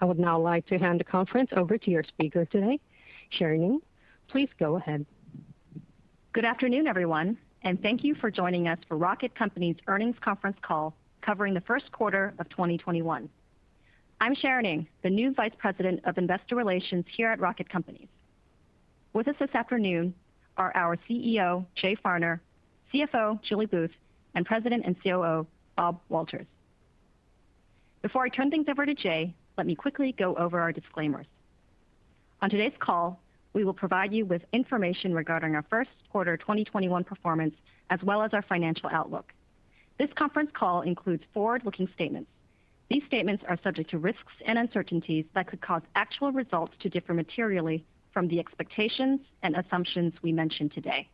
I would now like to hand the conference over to your speaker today, Sharon Ng. Please go ahead. Good afternoon, everyone, and thank you for joining us for Rocket Companies' Earnings Conference Call covering the First Quarter of 2021. I'm Sharon Ng, the new Vice President of Investor Relations here at Rocket Companies. With us this afternoon are our CEO, Jay Farner, CFO, Julie Booth, and President and COO, Bob Walters. Before I turn things over to Jay, let me quickly go over our disclaimers. On today's call, we will provide you with information regarding our first quarter 2021 performance, as well as our financial outlook. This conference call includes forward-looking statements. These statements are subject to risks and uncertainties that could cause actual results to differ materially from the expectations and assumptions we mention today.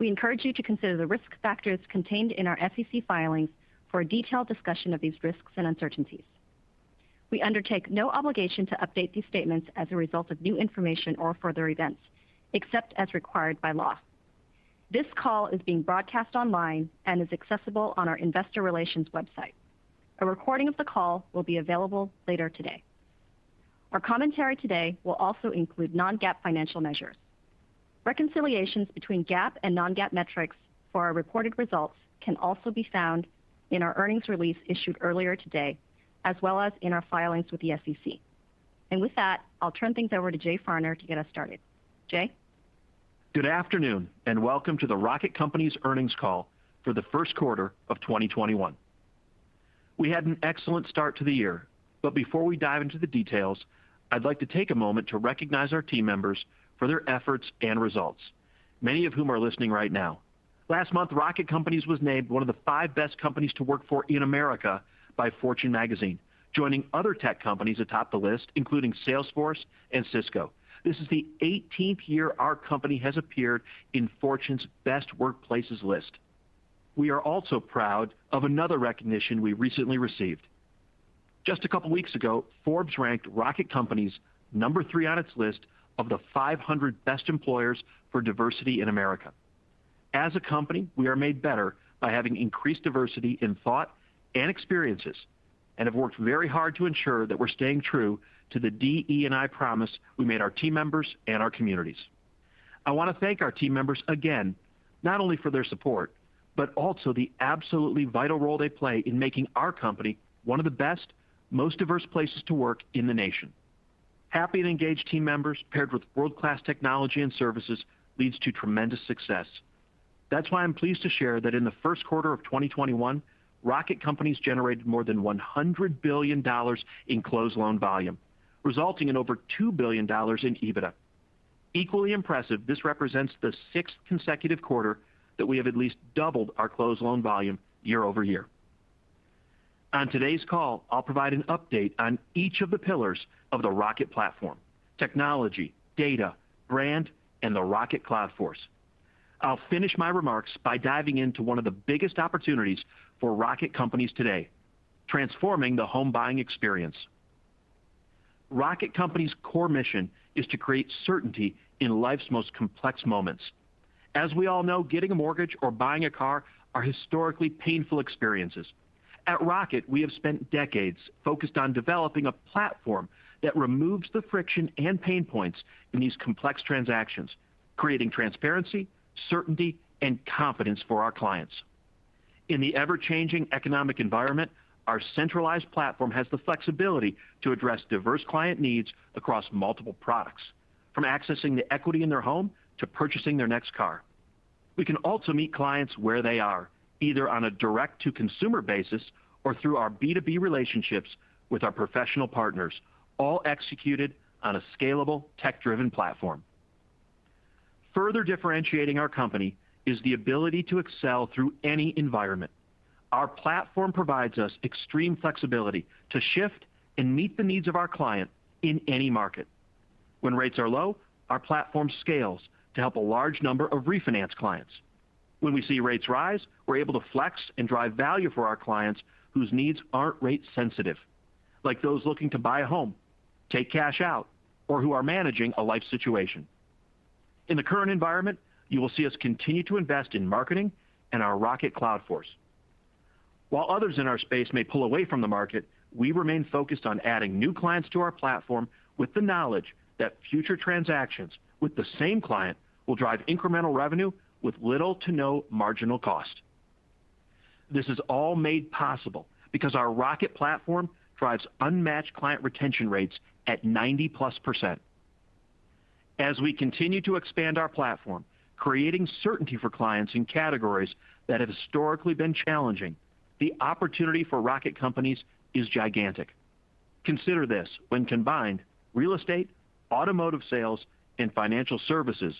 We encourage you to consider the risk factors contained in our SEC filings for a detailed discussion of these risks and uncertainties. We undertake no obligation to update these statements as a result of new information or further events, except as required by law. This call is being broadcast online and is accessible on our investor relations website. A recording of the call will be available later today. Our commentary today will also include non-GAAP financial measures. Reconciliations between GAAP and non-GAAP metrics for our reported results can also be found in our earnings release issued earlier today, as well as in our filings with the SEC. With that, I'll turn things over to Jay Farner to get us started. Jay? Good afternoon and welcome to the Rocket Companies earnings call for the first quarter of 2021. We had an excellent start to the year, but before we dive into the details, I'd like to take a moment to recognize our team members for their efforts and results, many of whom are listening right now. Last month, Rocket Companies was named one of the five best companies to work for in America by Fortune Magazine, joining other tech companies atop the list, including Salesforce and Cisco. This is the 18th year our company has appeared in Fortune's best workplaces list. We are also proud of another recognition we recently received. Just a couple of weeks ago, Forbes ranked Rocket Companies number three on its list of the 500 best employers for diversity in America. As a company, we are made better by having increased diversity in thought and experiences, and have worked very hard to ensure that we're staying true to the DE&I promise we made our team members and our communities. I want to thank our team members again, not only for their support, but also the absolutely vital role they play in making our company one of the best, most diverse places to work in the nation. Happy and engaged team members paired with world-class technology and services leads to tremendous success. That's why I'm pleased to share that in the first quarter of 2021, Rocket Companies generated more than $100 billion in closed loan volume, resulting in over $2 billion in EBITDA. Equally impressive, this represents the sixth consecutive quarter that we have at least doubled our closed loan volume year-over-year. On today's call, I'll provide an update on each of the pillars of the Rocket platform, technology, data, brand, and the Rocket Cloud Force. I'll finish my remarks by diving into one of the biggest opportunities for Rocket Companies today, transforming the home buying experience. Rocket Companies' core mission is to create certainty in life's most complex moments. As we all know, getting a mortgage or buying a car are historically painful experiences. At Rocket, we have spent decades focused on developing a platform that removes the friction and pain points in these complex transactions, creating transparency, certainty, and confidence for our clients. In the ever-changing economic environment, our centralized platform has the flexibility to address diverse client needs across multiple products, from accessing the equity in their home to purchasing their next car. We can also meet clients where they are, either on a direct-to-consumer basis or through our B2B relationships with our professional partners, all executed on a scalable tech-driven platform. Further differentiating our company is the ability to excel through any environment. Our platform provides us extreme flexibility to shift and meet the needs of our client in any market. When rates are low, our platform scales to help a large number of refinance clients. When we see rates rise, we're able to flex and drive value for our clients whose needs aren't rate sensitive, like those looking to buy a home, take cash out, or who are managing a life situation. In the current environment, you will see us continue to invest in marketing and our Rocket Cloud Force. While others in our space may pull away from the market, we remain focused on adding new clients to our platform with the knowledge that future transactions with the same client will drive incremental revenue with little to no marginal cost. This is all made possible because our Rocket platform drives unmatched client retention rates at 90%+. As we continue to expand our platform, creating certainty for clients in categories that have historically been challenging, the opportunity for Rocket Companies is gigantic. Consider this, when combined, real estate, automotive sales, and financial services,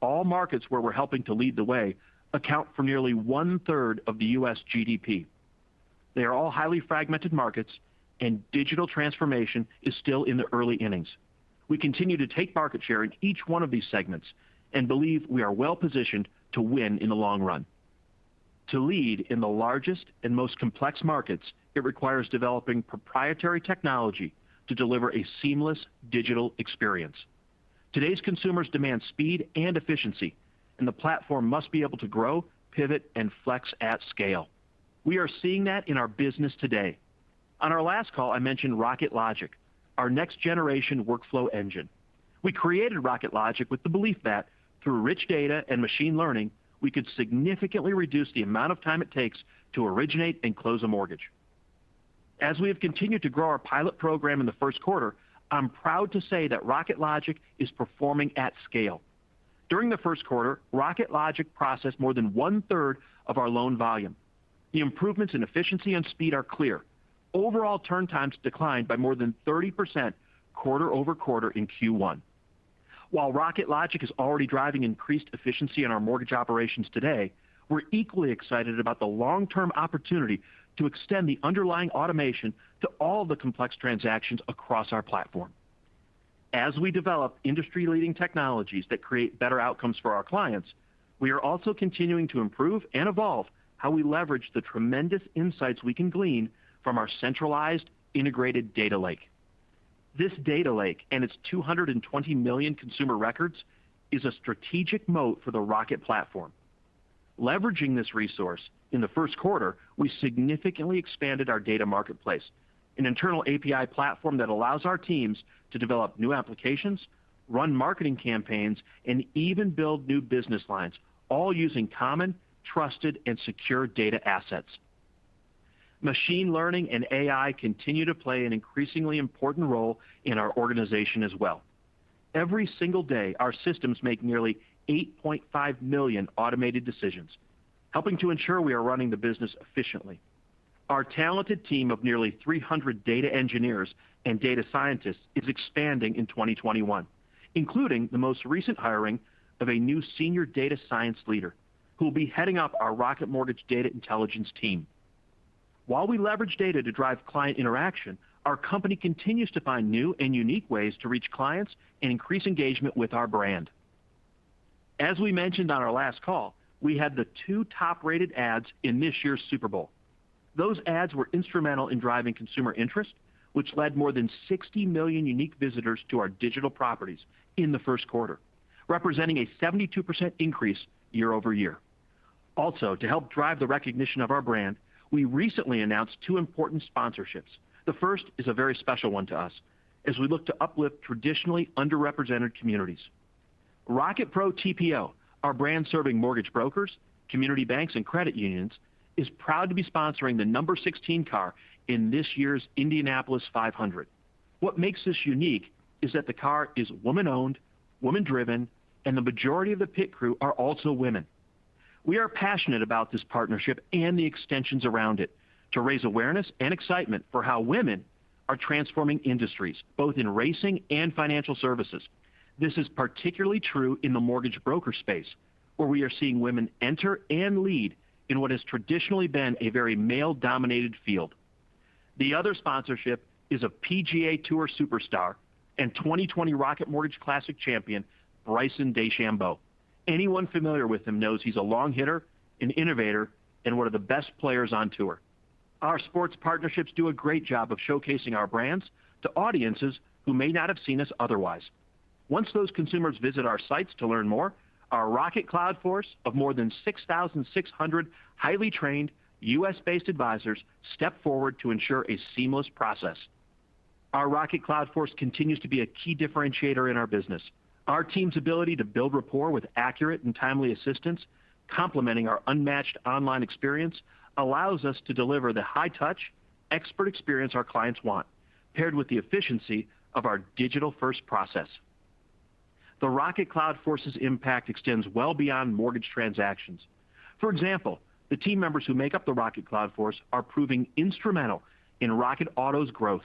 all markets where we're helping to lead the way, account for nearly 1/3 of the U.S. GDP. They are all highly fragmented markets and digital transformation is still in the early innings. We continue to take market share in each one of these segments and believe we are well-positioned to win in the long run. To lead in the largest and most complex markets, it requires developing proprietary technology to deliver a seamless digital experience. Today's consumers demand speed and efficiency, the platform must be able to grow, pivot, and flex at scale. We are seeing that in our business today. On our last call, I mentioned Rocket Logic, our next-generation workflow engine. We created Rocket Logic with the belief that through rich data and machine learning, we could significantly reduce the amount of time it takes to originate and close a mortgage. As we have continued to grow our pilot program in the first quarter, I'm proud to say that Rocket Logic is performing at scale. During the first quarter, Rocket Logic processed more than one-third of our loan volume. The improvements in efficiency and speed are clear. Overall turn times declined by more than 30% quarter-over-quarter in Q1. While Rocket Logic is already driving increased efficiency in our mortgage operations today, we're equally excited about the long-term opportunity to extend the underlying automation to all the complex transactions across our platform. As we develop industry-leading technologies that create better outcomes for our clients, we are also continuing to improve and evolve how we leverage the tremendous insights we can glean from our centralized, integrated data lake. This data lake, and its 220 million consumer records, is a strategic moat for the Rocket platform. Leveraging this resource, in the first quarter, we significantly expanded our data marketplace, an internal API platform that allows our teams to develop new applications, run marketing campaigns, and even build new business lines, all using common, trusted, and secure data assets. Machine learning and AI continue to play an increasingly important role in our organization as well. Every single day, our systems make nearly 8.5 million automated decisions, helping to ensure we are running the business efficiently. Our talented team of nearly 300 data engineers and data scientists is expanding in 2021, including the most recent hiring of a new senior data science leader who will be heading up our Rocket Mortgage data intelligence team. While we leverage data to drive client interaction, our company continues to find new and unique ways to reach clients and increase engagement with our brand. As we mentioned on our last call, we had the two top-rated ads in this year's Super Bowl. Those ads were instrumental in driving consumer interest, which led more than 60 million unique visitors to our digital properties in the first quarter, representing a 72% increase year-over-year. To help drive the recognition of our brand, we recently announced two important sponsorships. The first is a very special one to us as we look to uplift traditionally underrepresented communities. Rocket Pro TPO, our brand serving mortgage brokers, community banks, and credit unions, is proud to be sponsoring the number 16 car in this year's Indianapolis 500. What makes this unique is that the car is woman-owned, woman-driven, and the majority of the pit crew are also women. We are passionate about this partnership and the extensions around it to raise awareness and excitement for how women are transforming industries, both in racing and financial services. This is particularly true in the mortgage broker space, where we are seeing women enter and lead in what has traditionally been a very male-dominated field. The other sponsorship is a PGA Tour superstar and 2020 Rocket Mortgage Classic champion, Bryson DeChambeau. Anyone familiar with him knows he's a long hitter, an innovator, and one of the best players on tour. Our sports partnerships do a great job of showcasing our brands to audiences who may not have seen us otherwise. Once those consumers visit our sites to learn more, our Rocket Cloud Force of more than 6,600 highly trained, U.S.-based advisors step forward to ensure a seamless process. Our Rocket Cloud Force continues to be a key differentiator in our business. Our team's ability to build rapport with accurate and timely assistance, complementing our unmatched online experience, allows us to deliver the high-touch, expert experience our clients want, paired with the efficiency of our digital-first process. The Rocket Cloud Force's impact extends well beyond mortgage transactions. For example, the team members who make up the Rocket Cloud Force are proving instrumental in Rocket Auto's growth.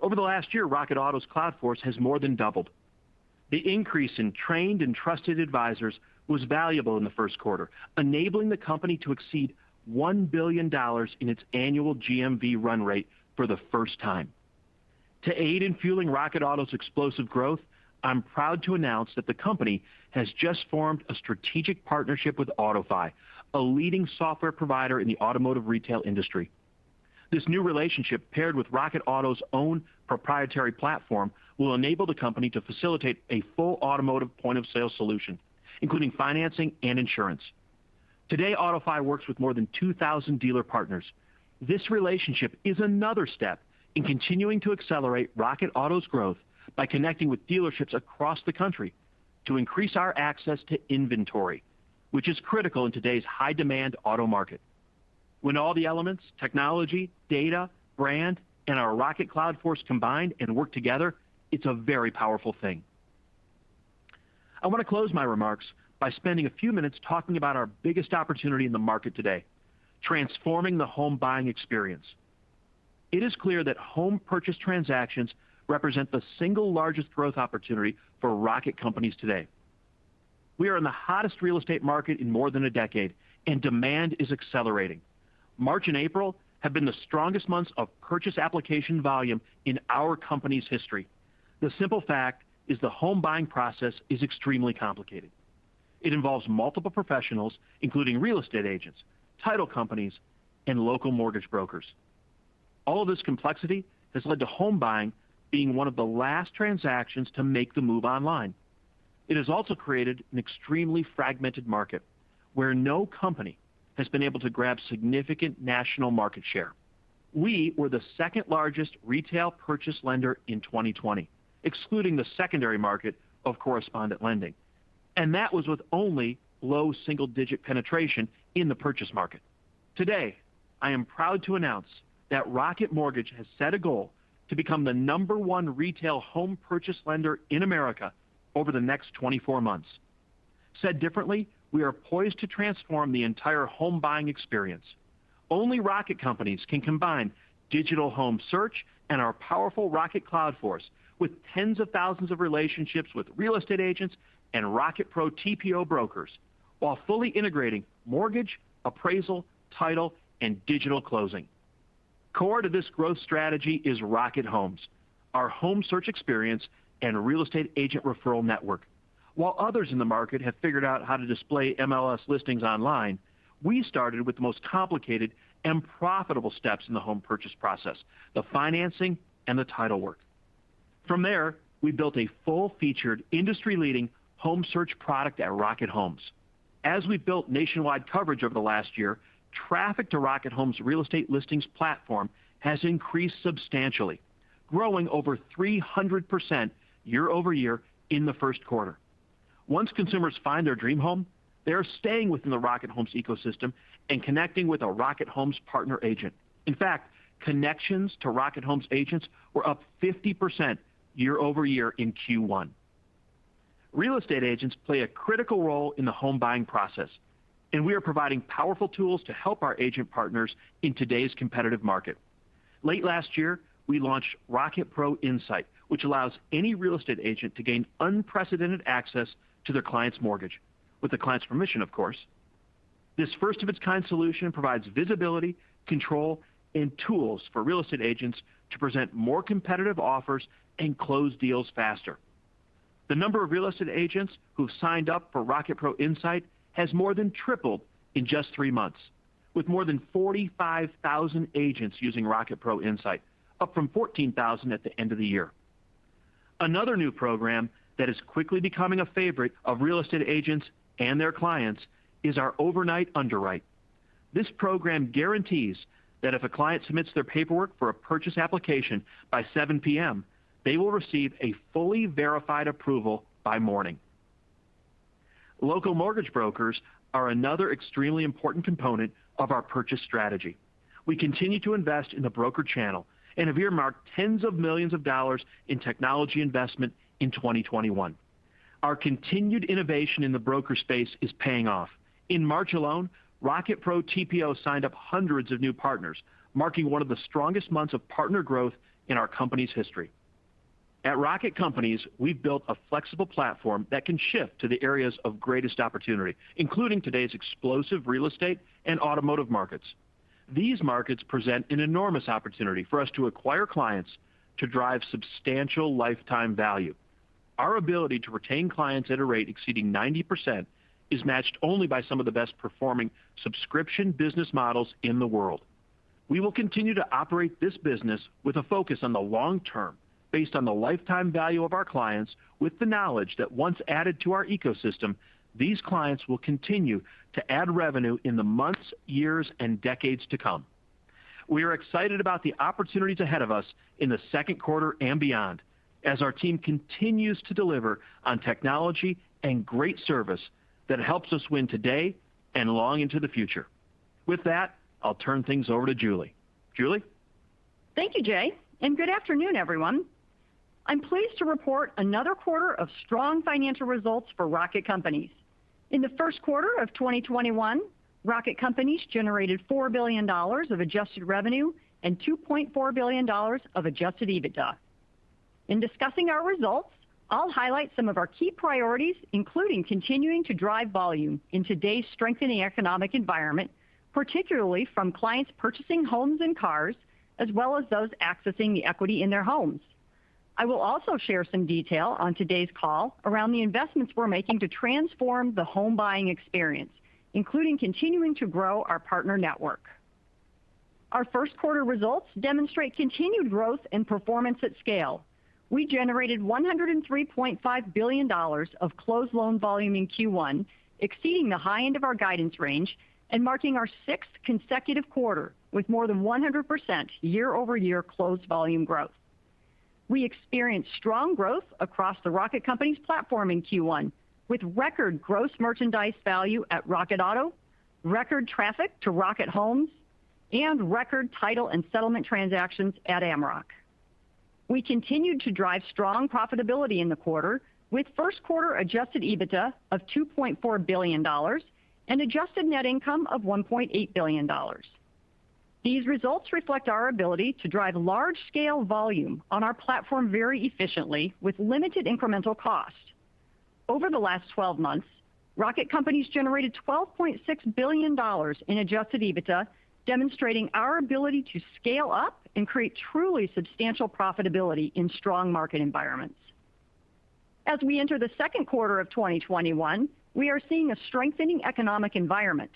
Over the last year, Rocket Cloud Force has more than doubled. The increase in trained and trusted advisors was valuable in the first quarter, enabling the company to exceed $1 billion in its annual GMV run rate for the first time. To aid in fueling Rocket Auto's explosive growth, I'm proud to announce that the company has just formed a strategic partnership with AutoFi, a leading software provider in the automotive retail industry. This new relationship, paired with Rocket Auto's own proprietary platform, will enable the company to facilitate a full automotive point-of-sale solution, including financing and insurance. Today, AutoFi works with more than 2,000 dealer partners. This relationship is another step in continuing to accelerate Rocket Auto's growth by connecting with dealerships across the country to increase our access to inventory, which is critical in today's high-demand auto market. When all the elements, technology, data, brand, and our Rocket Cloud Force combine and work together, it's a very powerful thing. I want to close my remarks by spending a few minutes talking about our biggest opportunity in the market today, transforming the home buying experience. It is clear that home purchase transactions represent the single largest growth opportunity for Rocket Companies today. We are in the hottest real estate market in more than a decade, and demand is accelerating. March and April have been the strongest months of purchase application volume in our company's history. The simple fact is the home buying process is extremely complicated. It involves multiple professionals, including real estate agents, title companies, and local mortgage brokers. All of this complexity has led to home buying being one of the last transactions to make the move online. It has also created an extremely fragmented market, where no company has been able to grab significant national market share. We were the second-largest retail purchase lender in 2020, excluding the secondary market of correspondent lending, and that was with only low single-digit penetration in the purchase market. Today, I am proud to announce that Rocket Mortgage has set a goal to become the number one retail home purchase lender in America over the next 24 months. Said differently, we are poised to transform the entire home buying experience. Only Rocket Companies can combine digital home search and our powerful Rocket Cloud Force with tens of thousands of relationships with real estate agents and Rocket Pro TPO brokers, while fully integrating mortgage, appraisal, title, and digital closing. Core to this growth strategy is Rocket Homes, our home search experience and real estate agent referral network. While others in the market have figured out how to display MLS listings online, we started with the most complicated and profitable steps in the home purchase process, the financing and the title work. From there, we built a full-featured, industry-leading home search product at Rocket Homes. As we built nationwide coverage over the last year, traffic to Rocket Homes real estate listings platform has increased substantially, growing over 300% year-over-year in the first quarter. Once consumers find their dream home, they are staying within the Rocket Homes ecosystem and connecting with a Rocket Homes partner agent. In fact, connections to Rocket Homes agents were up 50% year-over-year in Q1. Real estate agents play a critical role in the home buying process, and we are providing powerful tools to help our agent partners in today's competitive market. Late last year, we launched Rocket Pro Insight, which allows any real estate agent to gain unprecedented access to their client's mortgage, with the client's permission, of course. This first-of-its-kind solution provides visibility, control, and tools for real estate agents to present more competitive offers and close deals faster. The number of real estate agents who've signed up for Rocket Pro Insight has more than tripled in just three months, with more than 45,000 agents using Rocket Pro Insight, up from 14,000 at the end of the year. Another new program that is quickly becoming a favorite of real estate agents and their clients is our Overnight Underwrite. This program guarantees that if a client submits their paperwork for a purchase application by 7:00 P.M., they will receive a fully verified approval by morning. Local mortgage brokers are another extremely important component of our purchase strategy. We continue to invest in the broker channel and have earmarked $10 millions in technology investment in 2021. Our continued innovation in the broker space is paying off. In March alone, Rocket Pro TPO signed up hundreds of new partners, marking one of the strongest months of partner growth in our company's history. At Rocket Companies, we've built a flexible platform that can shift to the areas of greatest opportunity, including today's explosive real estate and automotive markets. These markets present an enormous opportunity for us to acquire clients to drive substantial lifetime value. Our ability to retain clients at a rate exceeding 90% is matched only by some of the best-performing subscription business models in the world. We will continue to operate this business with a focus on the long term, based on the lifetime value of our clients, with the knowledge that once added to our ecosystem, these clients will continue to add revenue in the months, years, and decades to come. We are excited about the opportunities ahead of us in the second quarter and beyond, as our team continues to deliver on technology and great service that helps us win today and long into the future. With that, I'll turn things over to Julie. Julie? Thank you, Jay, and good afternoon, everyone. I'm pleased to report another quarter of strong financial results for Rocket Companies. In the first quarter of 2021, Rocket Companies generated $4 billion of adjusted revenue and $2.4 billion of adjusted EBITDA. In discussing our results, I'll highlight some of our key priorities, including continuing to drive volume in today's strengthening economic environment, particularly from clients purchasing homes and cars, as well as those accessing the equity in their homes. I will also share some detail on today's call around the investments we're making to transform the home buying experience, including continuing to grow our partner network. Our first quarter results demonstrate continued growth and performance at scale. We generated $103.5 billion of closed loan volume in Q1, exceeding the high end of our guidance range and marking our sixth consecutive quarter with more than 100% year-over-year closed volume growth. We experienced strong growth across the Rocket Companies platform in Q1, with record gross merchandise value at Rocket Auto, record traffic to Rocket Homes, and record title and settlement transactions at Amrock. We continued to drive strong profitability in the quarter, with first quarter adjusted EBITDA of $2.4 billion and adjusted net income of $1.8 billion. These results reflect our ability to drive large-scale volume on our platform very efficiently with limited incremental cost. Over the last 12 months, Rocket Companies generated $12.6 billion in adjusted EBITDA, demonstrating our ability to scale up and create truly substantial profitability in strong market environments. As we enter the second quarter of 2021, we are seeing a strengthening economic environment.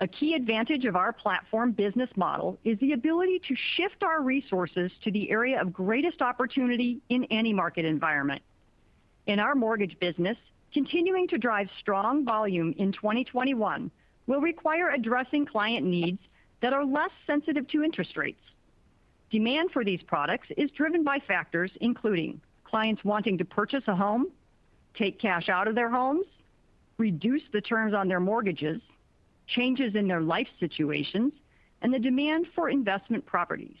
A key advantage of our platform business model is the ability to shift our resources to the area of greatest opportunity in any market environment. In our mortgage business, continuing to drive strong volume in 2021 will require addressing client needs that are less sensitive to interest rates. Demand for these products is driven by factors including clients wanting to purchase a home, take cash out of their homes, reduce the terms on their mortgages, changes in their life situations, and the demand for investment properties.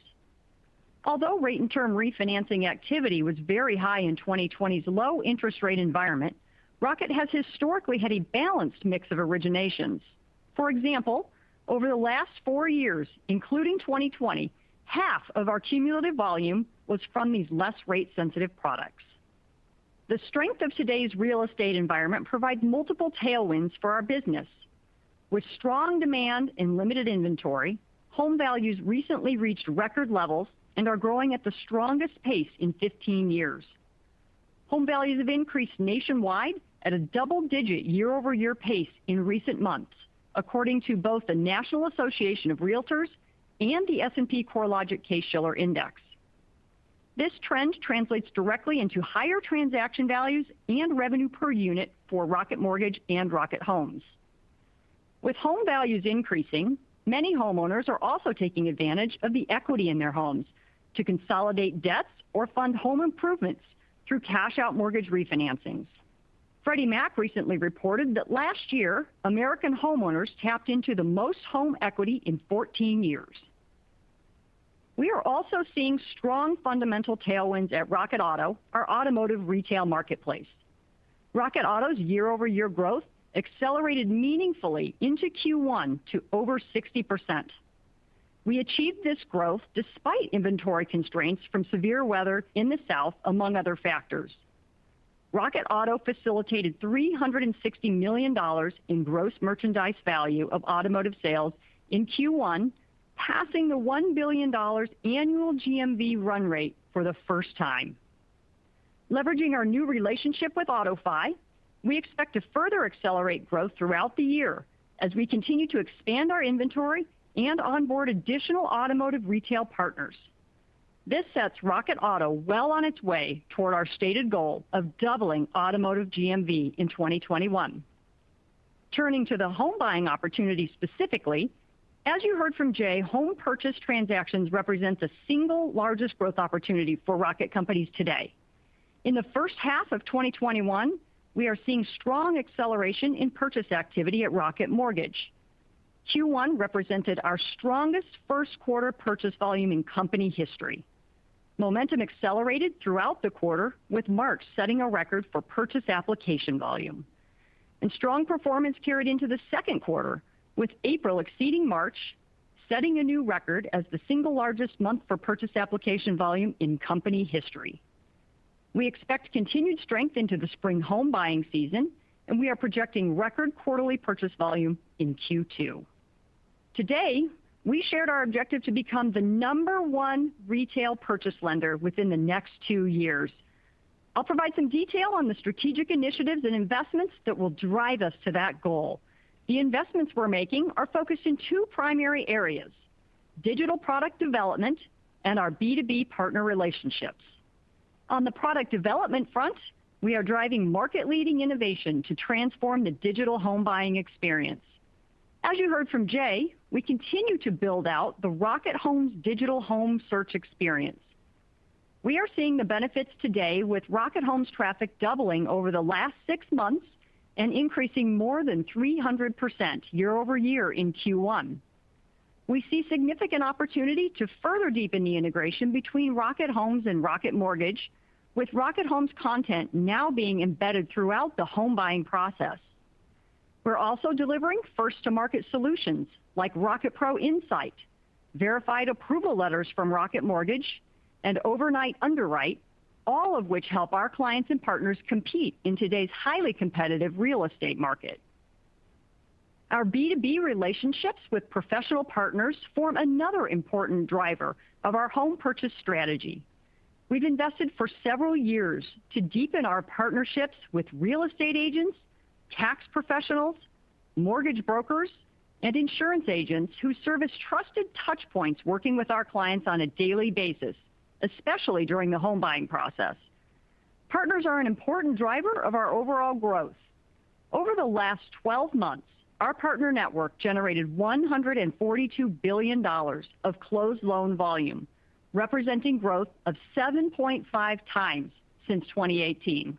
Although rate and term refinancing activity was very high in 2020's low interest rate environment, Rocket has historically had a balanced mix of originations. For example, over the last four years, including 2020, half of our cumulative volume was from these less rate sensitive products. The strength of today's real estate environment provides multiple tailwinds for our business. With strong demand and limited inventory, home values recently reached record levels and are growing at the strongest pace in 15 years. Home values have increased nationwide at a double-digit year-over-year pace in recent months, according to both the National Association of Realtors and the S&P CoreLogic Case-Shiller Index. This trend translates directly into higher transaction values and revenue per unit for Rocket Mortgage and Rocket Homes. With home values increasing, many homeowners are also taking advantage of the equity in their homes to consolidate debts or fund home improvements through cash out mortgage refinancings. Freddie Mac recently reported that last year, American homeowners tapped into the most home equity in 14 years. We are also seeing strong fundamental tailwinds at Rocket Auto, our automotive retail marketplace. Rocket Auto's year-over-year growth accelerated meaningfully into Q1 to over 60%. We achieved this growth despite inventory constraints from severe weather in the South, among other factors. Rocket Auto facilitated $360 million in gross merchandise value of automotive sales in Q1, passing the $1 billion annual GMV run rate for the first time. Leveraging our new relationship with AutoFi, we expect to further accelerate growth throughout the year as we continue to expand our inventory and onboard additional automotive retail partners. This sets Rocket Auto well on its way toward our stated goal of doubling automotive GMV in 2021. Turning to the home buying opportunity specifically, as you heard from Jay, home purchase transactions represent the single largest growth opportunity for Rocket Companies today. In the first half of 2021, we are seeing strong acceleration in purchase activity at Rocket Mortgage. Q1 represented our strongest first quarter purchase volume in company history. Momentum accelerated throughout the quarter, with March setting a record for purchase application volume. Strong performance carried into the second quarter, with April exceeding March, setting a new record as the single largest month for purchase application volume in company history. We expect continued strength into the spring home buying season, we are projecting record quarterly purchase volume in Q2. Today, we shared our objective to become the number one retail purchase lender within the next two years. I'll provide some detail on the strategic initiatives and investments that will drive us to that goal. The investments we're making are focused in two primary areas, digital product development and our B2B partner relationships. On the product development front, we are driving market-leading innovation to transform the digital home buying experience. As you heard from Jay, we continue to build out the Rocket Homes digital home search experience. We are seeing the benefits today with Rocket Homes traffic doubling over the last six months and increasing more than 300% year-over-year in Q1. We see significant opportunity to further deepen the integration between Rocket Homes and Rocket Mortgage, with Rocket Homes content now being embedded throughout the home buying process. We're also delivering first-to-market solutions like Rocket Pro Insight, verified approval letters from Rocket Mortgage, and Overnight Underwrite, all of which help our clients and partners compete in today's highly competitive real estate market. Our B2B relationships with professional partners form another important driver of our home purchase strategy. We've invested for several years to deepen our partnerships with real estate agents, tax professionals, mortgage brokers, and insurance agents who serve as trusted touchpoints working with our clients on a daily basis, especially during the home buying process. Partners are an important driver of our overall growth. Over the last 12 months, our partner network generated $142 billion of closed loan volume, representing growth of 7.5x since 2018.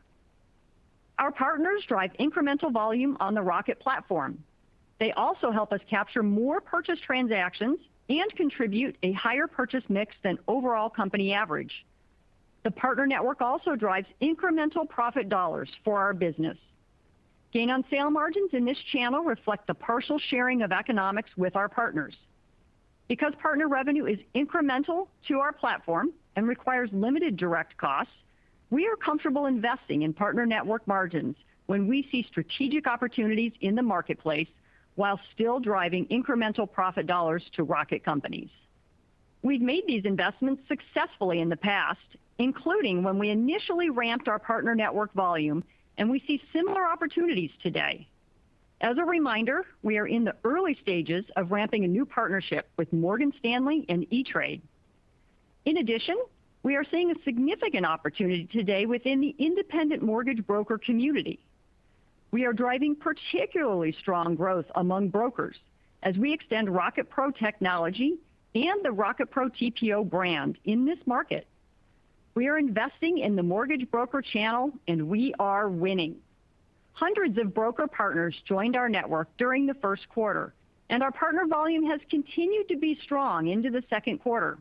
Our partners drive incremental volume on the Rocket platform. They also help us capture more purchase transactions and contribute a higher purchase mix than overall company average. The partner network also drives incremental profit dollars for our business. Gain on sale margins in this channel reflect the partial sharing of economics with our partners. Because partner revenue is incremental to our platform and requires limited direct costs, we are comfortable investing in partner network margins when we see strategic opportunities in the marketplace while still driving incremental profit dollars to Rocket Companies. We've made these investments successfully in the past, including when we initially ramped our partner network volume, and we see similar opportunities today. As a reminder, we are in the early stages of ramping a new partnership with Morgan Stanley and E*TRADE. We are seeing a significant opportunity today within the independent mortgage broker community. We are driving particularly strong growth among brokers as we extend Rocket Pro technology and the Rocket Pro TPO brand in this market. We are investing in the mortgage broker channel and we are winning. Hundreds of broker partners joined our network during the first quarter, and our partner volume has continued to be strong into the second quarter.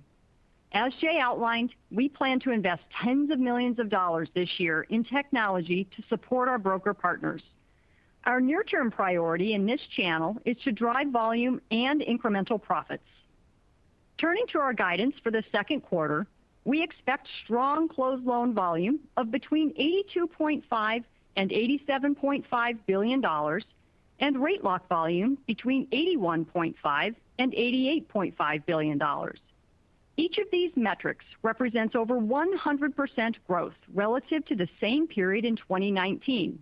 As Jay outlined, we plan to invest tens of millions of dollars this year in technology to support our broker partners. Our near-term priority in this channel is to drive volume and incremental profits. Turning to our guidance for the second quarter, we expect strong closed loan volume of between $82.5 billion and $87.5 billion, and rate lock volume between $81.5 billion and $88.5 billion. Each of these metrics represents over 100% growth relative to the same period in 2019.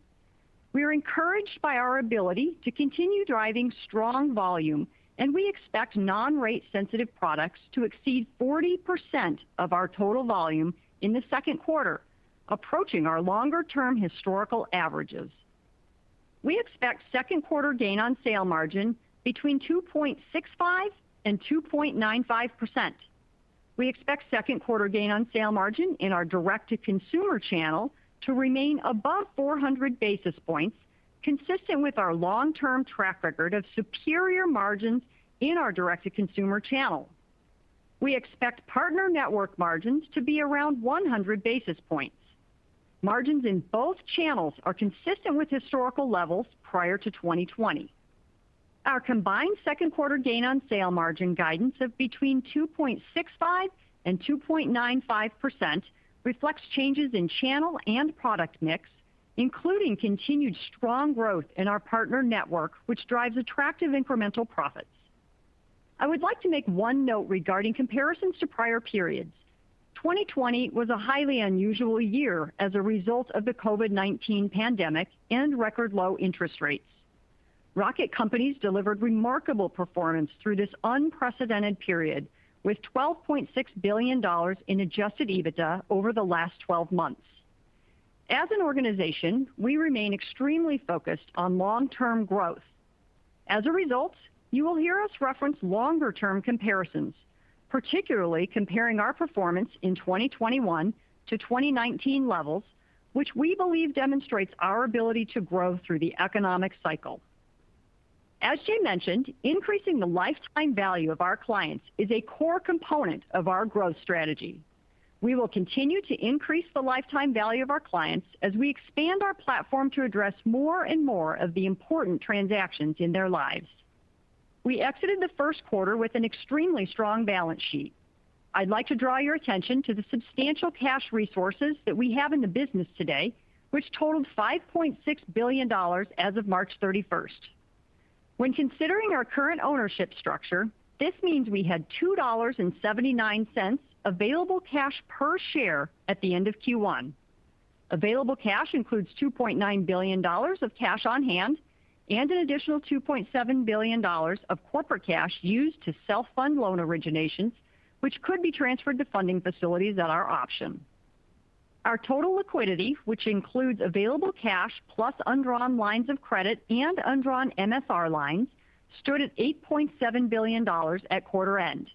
We are encouraged by our ability to continue driving strong volume, and we expect non-rate sensitive products to exceed 40% of our total volume in the second quarter, approaching our longer-term historical averages. We expect second quarter gain on sale margin between 2.65% and 2.95%. We expect second quarter gain on sale margin in our direct-to-consumer channel to remain above 400 basis points, consistent with our long-term track record of superior margins in our direct-to-consumer channel. We expect partner network margins to be around 100 basis points. Margins in both channels are consistent with historical levels prior to 2020. Our combined second quarter gain on sale margin guidance of between 2.65% and 2.95% reflects changes in channel and product mix, including continued strong growth in our partner network, which drives attractive incremental profits. I would like to make one note regarding comparisons to prior periods. 2020 was a highly unusual year as a result of the COVID-19 pandemic and record low interest rates. Rocket Companies delivered remarkable performance through this unprecedented period with $12.6 billion in adjusted EBITDA over the last 12 months. As an organization, we remain extremely focused on long-term growth. As a result, you will hear us reference longer-term comparisons, particularly comparing our performance in 2021 to 2019 levels, which we believe demonstrates our ability to grow through the economic cycle. As Jay mentioned, increasing the lifetime value of our clients is a core component of our growth strategy. We will continue to increase the lifetime value of our clients as we expand our platform to address more and more of the important transactions in their lives. We exited the first quarter with an extremely strong balance sheet. I'd like to draw your attention to the substantial cash resources that we have in the business today, which totaled $5.6 billion as of March 31st. When considering our current ownership structure, this means we had $2.79 available cash per share at the end of Q1. Available cash includes $2.9 billion of cash on hand and an additional $2.7 billion of corporate cash used to self-fund loan originations, which could be transferred to funding facilities at our option. Our total liquidity, which includes available cash plus undrawn lines of credit and undrawn MSR lines, stood at $8.7 billion at quarter end.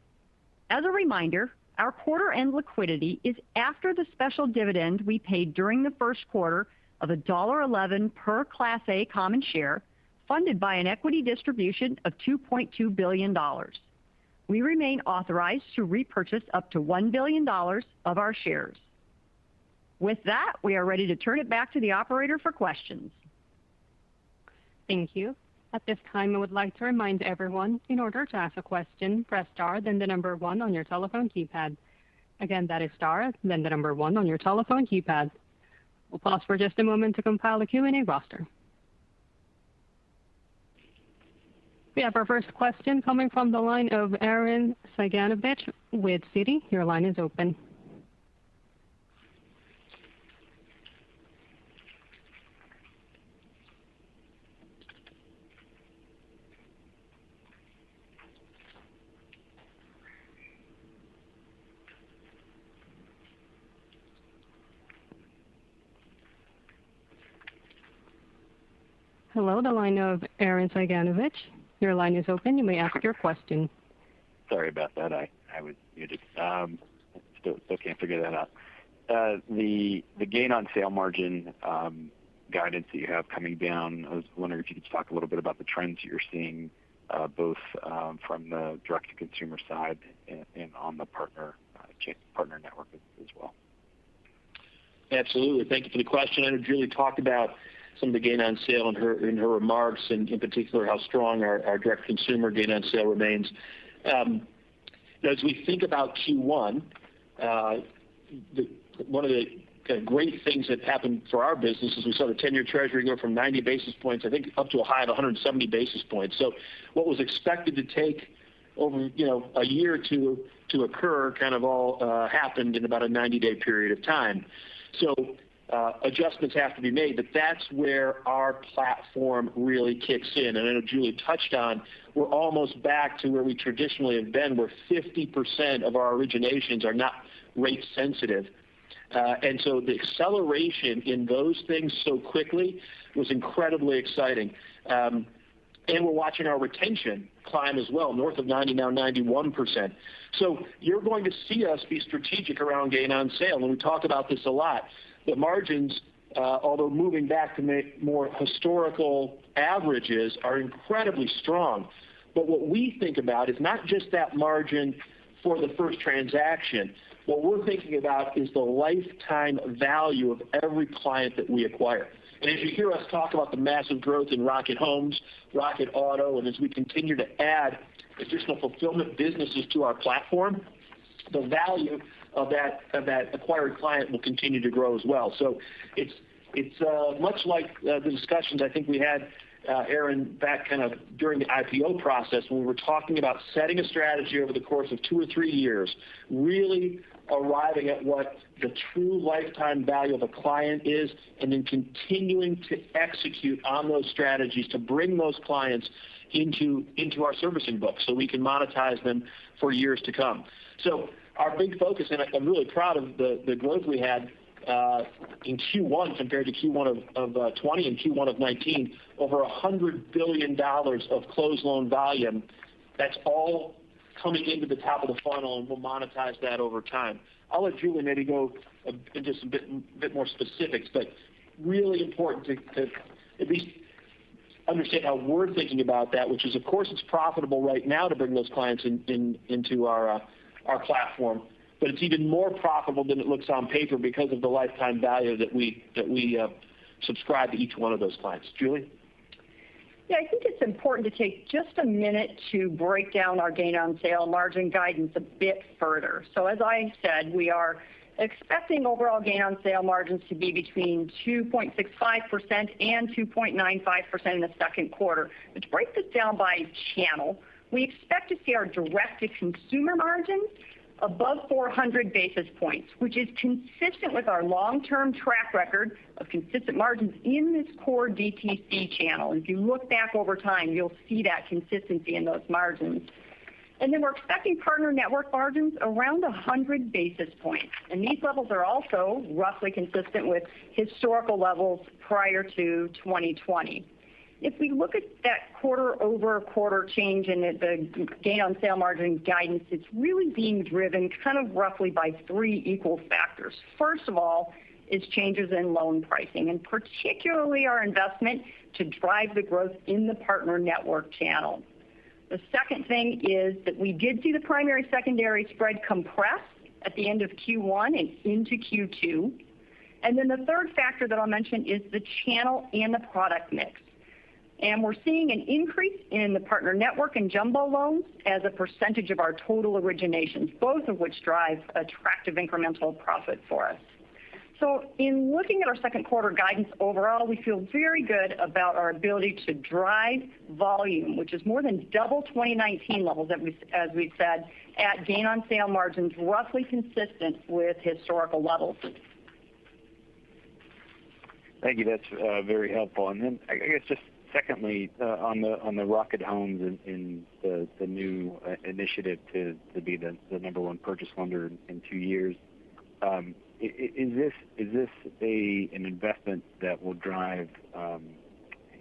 As a reminder, our quarter-end liquidity is after the special dividend we paid during the first quarter of $1.11 per Class A common share, funded by an equity distribution of $2.2 billion. We remain authorized to repurchase up to $1 billion of our shares. With that, we are ready to turn it back to the operator for questions. Thank you. At this time, I would like to remind everyone, in order to ask a question, press star then the number one on your telephone keypad. Again, that is star then the number one on your telephone keypad. We'll pause for just a moment to compile the Q&A roster. We have our first question coming from the line of Arren Cyganovich with Citi. Your line is open. Hello, the line of Arren Cyganovich. Your line is open. You may ask your question. Sorry about that. I was muted. Still can't figure that out. The gain on sale margin guidance that you have coming down, I was wondering if you could just talk a little bit about the trends you're seeing, both from the direct-to-consumer side and on the partner network as well. Absolutely. Thank you for the question. I know Julie talked about some of the gain on sale in her remarks, and in particular, how strong our direct consumer gain on sale remains. As we think about Q1 One of the great things that happened for our business is we saw the 10-year Treasury go from 90 basis points, I think, up to a high of 170 basis points. What was expected to take over a year or two to occur kind of all happened in about a 90-day period of time. Adjustments have to be made, but that's where our platform really kicks in. I know Julie touched on, we're almost back to where we traditionally have been, where 50% of our originations are not rate sensitive. The acceleration in those things so quickly was incredibly exciting. We're watching our retention climb as well, north of 90%, now 91%. You're going to see us be strategic around gain on sale, and we talk about this a lot. The margins, although moving back to more historical averages, are incredibly strong. What we think about is not just that margin for the first transaction. What we're thinking about is the lifetime value of every client that we acquire. As you hear us talk about the massive growth in Rocket Homes, Rocket Auto, and as we continue to add additional fulfillment businesses to our platform, the value of that acquired client will continue to grow as well. It's much like the discussions I think we had, Arren, back kind of during the IPO process, when we were talking about setting a strategy over the course of two or three years, really arriving at what the true lifetime value of a client is, and then continuing to execute on those strategies to bring those clients into our servicing book so we can monetize them for years to come. Our big focus, and I'm really proud of the growth we had in Q1 compared to Q1 of 2020 and Q1 of 2019. Over $100 billion of closed loan volume, that's all coming into the top of the funnel, and we'll monetize that over time. I'll let Julie maybe go into some bit more specifics, but really important to at least understand how we're thinking about that, which is, of course, it's profitable right now to bring those clients into our platform. It's even more profitable than it looks on paper because of the lifetime value that we subscribe to each one of those clients. Julie? Yeah, I think it's important to take just a minute to break down our gain on sale margin guidance a bit further. As I said, we are expecting overall gain on sale margins to be between 2.65% and 2.95% in the second quarter. To break this down by channel, we expect to see our direct-to-consumer margins above 400 basis points, which is consistent with our long-term track record of consistent margins in this core DTC channel, and if you look back over time, you'll see that consistency in those margins. We're expecting partner network margins around 100 basis points, and these levels are also roughly consistent with historical levels prior to 2020. If we look at that quarter-over-quarter change in the gain on sale margin guidance, it's really being driven kind of roughly by three equal factors. First of all, is changes in loan pricing, and particularly our investment to drive the growth in the Partner Network channel. The second thing is that we did see the primary/secondary spread compress at the end of Q1 and into Q2. The third factor that I'll mention is the channel and the product mix. We're seeing an increase in the Partner Network and jumbo loans as a percentage of our total originations, both of which drive attractive incremental profit for us. In looking at our second quarter guidance overall, we feel very good about our ability to drive volume, which is more than double 2019 levels as we've said, at gain on sale margins roughly consistent with historical levels. Thank you. That's very helpful. I guess just secondly, on the Rocket Homes and the new initiative to be the number one purchase lender in two years. Is this an investment that will drive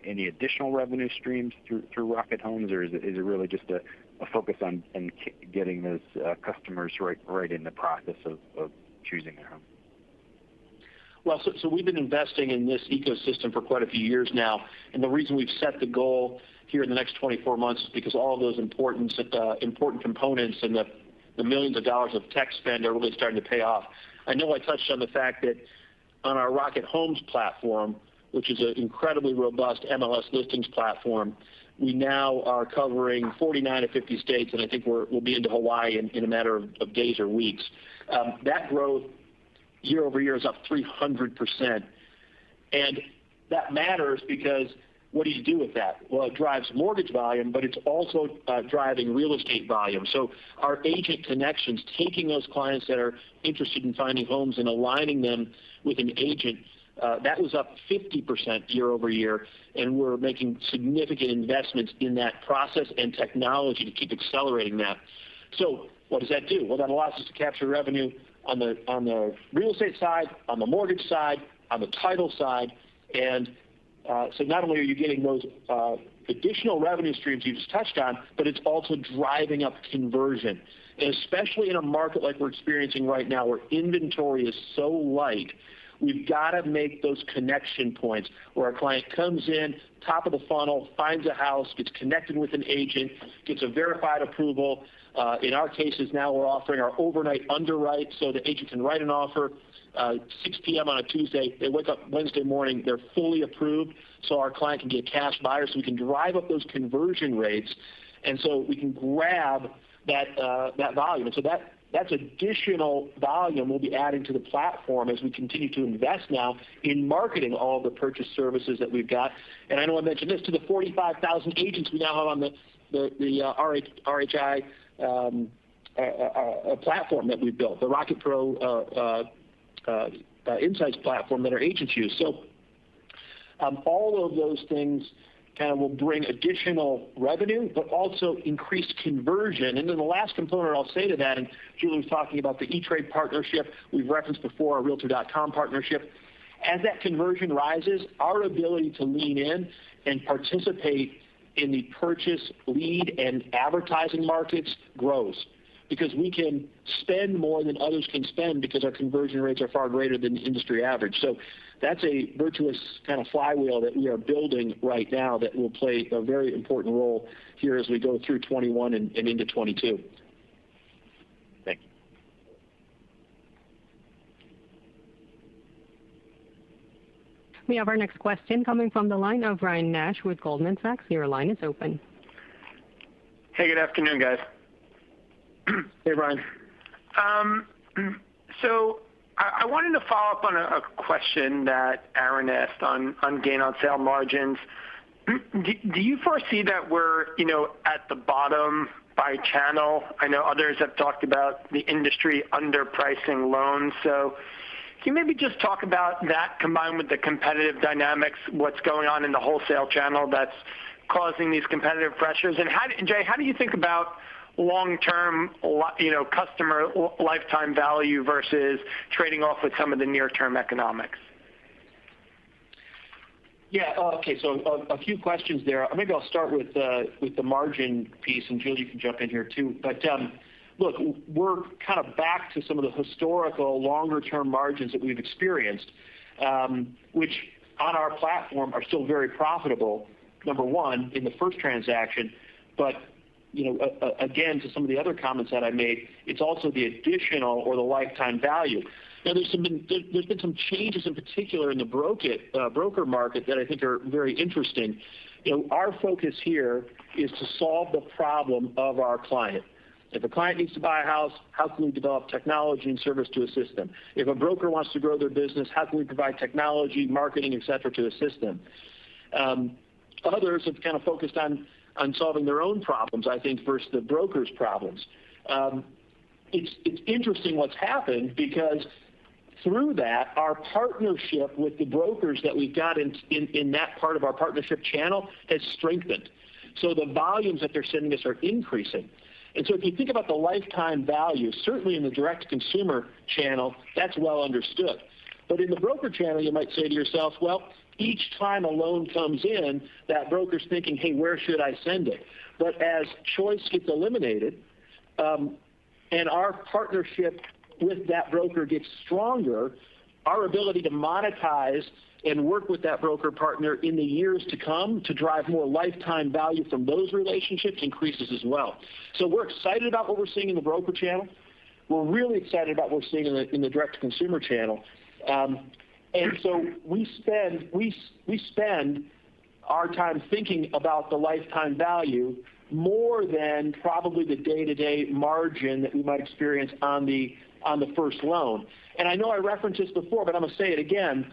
any additional revenue streams through Rocket Homes, or is it really just a focus on getting those customers right in the process of choosing their home? We've been investing in this ecosystem for quite a few years now, and the reason we've set the goal here in the next 24 months is because all those important components and the millions of dollars of tech spend are really starting to pay off. I know I touched on the fact that on our Rocket Homes platform, which is an incredibly robust MLS listings platform, we now are covering 49 of 50 states, and I think we'll be into Hawaii in a matter of days or weeks. That growth year-over-year is up 300%, and that matters because what do you do with that? It drives mortgage volume, but it's also driving real estate volume. Our agent connections, taking those clients that are interested in finding homes and aligning them with an agent, that was up 50% year-over-year, and we're making significant investments in that process and technology to keep accelerating that. What does that do? That allows us to capture revenue on the real estate side, on the mortgage side, on the title side. Not only are you getting those additional revenue streams you just touched on, but it's also driving up conversion. Especially in a market like we're experiencing right now where inventory is so light, we've got to make those connection points where a client comes in, top of the funnel, finds a house, gets connected with an agent, gets a verified approval. In our cases now we're offering our Overnight Underwrite so the agent can write an offer 6:00 P.M. on a Tuesday. They wake up Wednesday morning, they're fully approved, so our client can get cash buyers, so we can drive up those conversion rates, we can grab that volume. That's additional volume we'll be adding to the platform as we continue to invest now in marketing all of the purchase services that we've got. I know I mentioned this to the 45,000 agents we now have on the RHI platform that we've built, the Rocket Pro Insight platform that our agents use. All of those things kind of will bring additional revenue, but also increased conversion. The last component I'll say to that, Julie was talking about the E*TRADE partnership, we've referenced before our Realtor.com partnership. As that conversion rises, our ability to lean in and participate in the purchase lead and advertising markets grows because we can spend more than others can spend because our conversion rates are far greater than the industry average. That's a virtuous kind of flywheel that we are building right now that will play a very important role here as we go through 2021 and into 2022. Thank you. We have our next question coming from the line of Ryan Nash with Goldman Sachs. Your line is open. Hey, good afternoon, guys. Hey, Ryan. I wanted to follow up on a question that Arren asked on gain on sale margins. Do you foresee that we're at the bottom by channel? I know others have talked about the industry underpricing loans. Can you maybe just talk about that combined with the competitive dynamics, what's going on in the wholesale channel that's causing these competitive pressures? Jay, how do you think about long-term customer lifetime value versus trading off with some of the near-term economics? Okay, so a few questions there. Maybe I'll start with the margin piece, and Julie, you can jump in here too. Look, we're kind of back to some of the historical longer-term margins that we've experienced, which on our platform are still very profitable, number one, in the first transaction. Again, to some of the other comments that I made, it's also the additional or the lifetime value. There's been some changes in particular in the broker market that I think are very interesting. Our focus here is to solve the problem of our client. If a client needs to buy a house, how can we develop technology and service to assist them? If a broker wants to grow their business, how can we provide technology, marketing, et cetera, to assist them? Others have kind of focused on solving their own problems, I think, versus the broker's problems. It's interesting what's happened because through that, our partnership with the brokers that we've got in that part of our partnership channel has strengthened. The volumes that they're sending us are increasing. If you think about the lifetime value, certainly in the direct-to-consumer channel, that's well understood. In the broker channel, you might say to yourself, well, each time a loan comes in, that broker's thinking, "Hey, where should I send it?" As choice gets eliminated, and our partnership with that broker gets stronger, our ability to monetize and work with that broker partner in the years to come to drive more lifetime value from those relationships increases as well. We're excited about what we're seeing in the broker channel. We're really excited about what we're seeing in the direct-to-consumer channel. We spend our time thinking about the lifetime value more than probably the day-to-day margin that we might experience on the first loan. I know I referenced this before, but I'm going to say it again.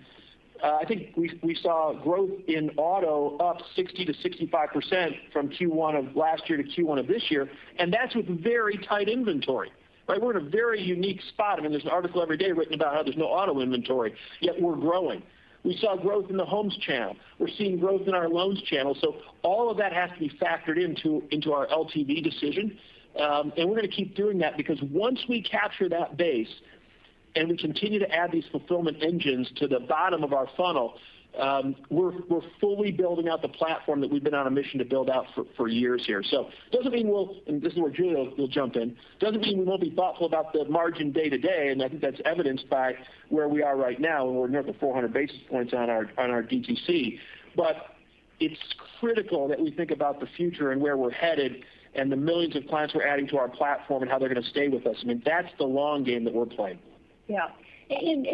I think we saw growth in auto up 60% to 65% from Q1 of last year to Q1 of this year, and that's with very tight inventory, right? We're in a very unique spot. I mean, there's an article every day written about how there's no auto inventory, yet we're growing. We saw growth in the homes channel. We're seeing growth in our loans channel. All of that has to be factored into our LTV decision. We're going to keep doing that because once we capture that base and we continue to add these fulfillment engines to the bottom of our funnel, we're fully building out the platform that we've been on a mission to build out for years here. It doesn't mean we'll, and this is where Julie will jump in, it doesn't mean we won't be thoughtful about the margin day to day, and I think that's evidenced by where we are right now, and we're near the 400 basis points on our DTC. It's critical that we think about the future and where we're headed and the millions of clients we're adding to our platform and how they're going to stay with us. I mean, that's the long game that we're playing. Yeah.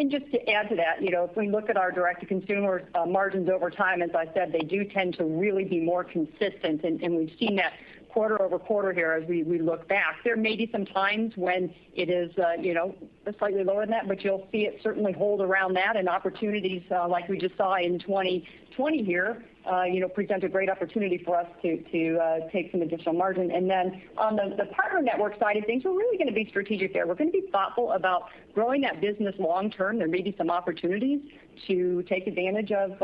Just to add to that, if we look at our direct-to-consumer margins over time, as I said, they do tend to really be more consistent, and we've seen that quarter-over-quarter here as we look back. There may be some times when it is slightly lower than that, but you'll see it certainly hold around that and opportunities, like we just saw in 2020 here, present a great opportunity for us to take some additional margin. On the partner network side of things, we're really going to be strategic there. We're going to be thoughtful about growing that business long term. There may be some opportunities to take advantage of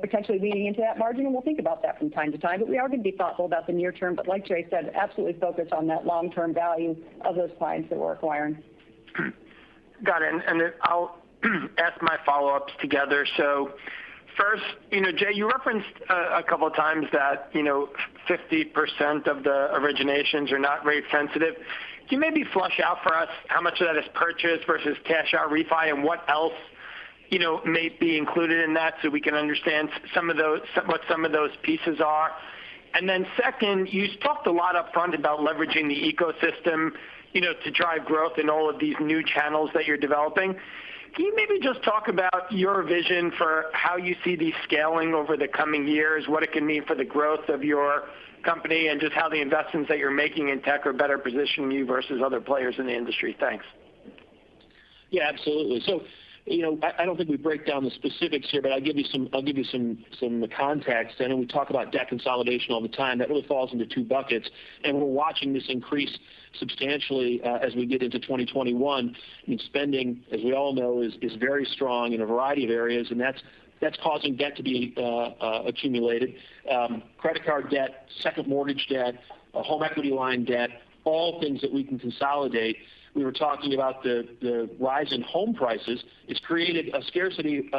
potentially leaning into that margin, and we'll think about that from time to time. We are going to be thoughtful about the near term, but like Jay said, absolutely focused on that long-term value of those clients that we're acquiring. Got it. I'll ask my follow-ups together. First, Jay, you referenced a couple of times that 50% of the originations are not rate sensitive. Can you maybe flush out for us how much of that is purchase versus cash out refi and what else may be included in that so we can understand what some of those pieces are? Second, you talked a lot up front about leveraging the ecosystem to drive growth in all of these new channels that you're developing. Can you maybe just talk about your vision for how you see these scaling over the coming years, what it can mean for the growth of your company, and just how the investments that you're making in tech are better positioning you versus other players in the industry? Thanks. Yeah, absolutely. I don't think we break down the specifics here, but I'll give you some context. I know we talk about debt consolidation all the time. That really falls into two buckets, and we're watching this increase substantially as we get into 2021. I mean, spending, as we all know, is very strong in a variety of areas, and that's causing debt to be accumulated. Credit card debt, second mortgage debt, home equity line debt, all things that we can consolidate. We were talking about the rise in home prices. It's created a scarcity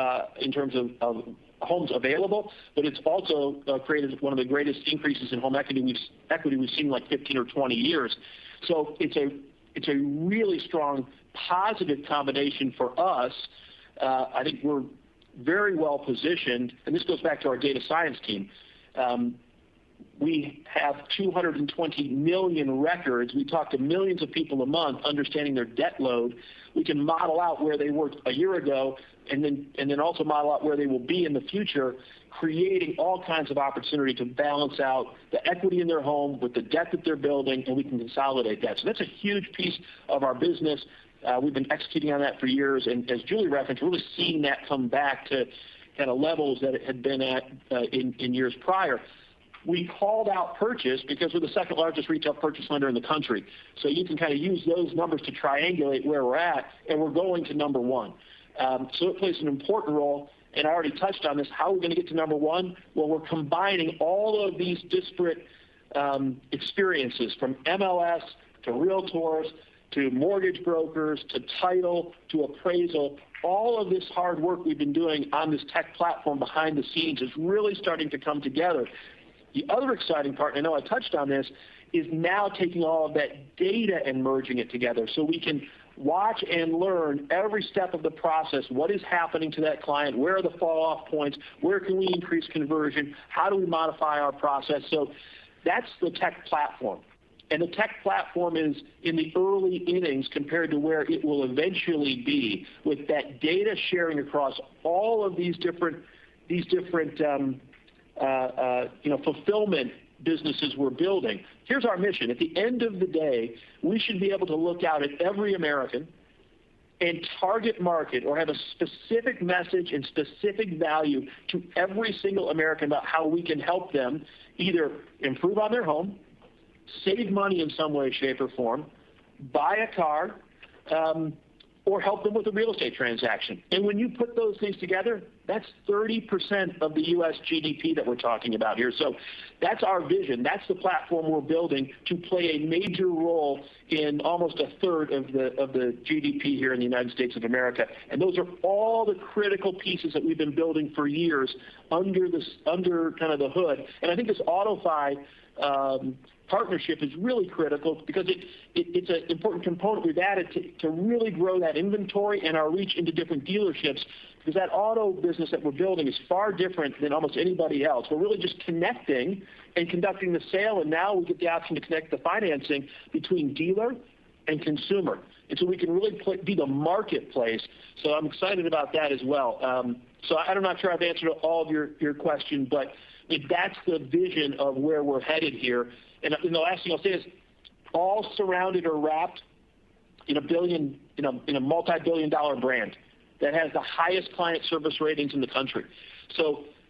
in terms of homes available, but it's also created one of the greatest increases in home equity we've seen in 15 or 20 years. It's a really strong positive combination for us. I think we're very well-positioned, and this goes back to our data science team. We have 220 million records. We talk to millions of people a month understanding their debt load. We can model out where they were a year ago and then also model out where they will be in the future, creating all kinds of opportunity to balance out the equity in their home with the debt that they're building. We can consolidate that. That's a huge piece of our business. We've been executing on that for years. As Julie referenced, we're really seeing that come back to levels that it had been at in years prior. We called out purchase because we're the second-largest retail purchase lender in the country. You can use those numbers to triangulate where we're at. We're going to number one. It plays an important role. I already touched on this. How are we going to get to number one? Well, we're combining all of these disparate experiences from MLS to realtors to mortgage brokers to title to appraisal. All of this hard work we've been doing on this tech platform behind the scenes is really starting to come together. The other exciting part, I know I touched on this, is now taking all of that data and merging it together so we can watch and learn every step of the process. What is happening to that client? Where are the fall-off points? Where can we increase conversion? How do we modify our process? That's the tech platform. The tech platform is in the early innings compared to where it will eventually be with that data-sharing across all of these different fulfillment businesses we're building. Here's our mission. At the end of the day, we should be able to look out at every American and target market or have a specific message and specific value to every single American about how we can help them either improve on their home, save money in some way, shape, or form, buy a car or help them with a real estate transaction. When you put those things together, that's 30% of the U.S. GDP that we're talking about here. That's our vision. That's the platform we're building to play a major role in almost a third of the GDP here in the United States of America. Those are all the critical pieces that we've been building for years under the hood. I think this AutoFi partnership is really critical because it's an important component we've added to really grow that inventory and our reach into different dealerships. That auto business that we're building is far different than almost anybody else. We're really just connecting and conducting the sale, and now we get the option to connect the financing between dealer and consumer. We can really be the marketplace. I'm excited about that as well. I'm not sure I've answered all of your questions, but that's the vision of where we're headed here. The last thing I'll say is all surrounded or wrapped in a multi-billion dollar brand that has the highest client service ratings in the country.